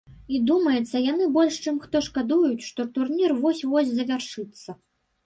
І, думаецца, яны больш чым хто шкадуюць, што турнір вось-вось завяршыцца.